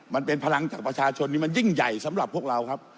มันเป็นพลังจากประชาชนที่มันยิ่งใหญ่สำหรับพวกเราครับ